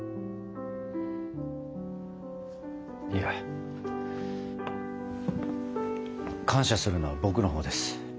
いや感謝するのは僕のほうです。